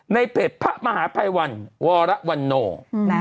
ในเพจพระมหาภัยวันวรวันโน